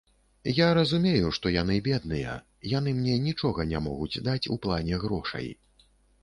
Я разумею, што яны бедныя, яны мне нічога не могуць даць у плане грошай.